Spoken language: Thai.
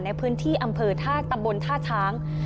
ในพื้นที่อำเภอท่าตำบลท่าช้าง